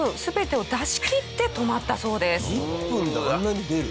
１分であんなに出る？